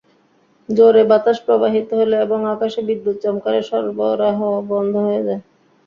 জোরে বাতাস প্রবাহিত হলে এবং আকাশে বিদ্যুৎ চমকালে সরবরাহ বন্ধ হয়ে যায়।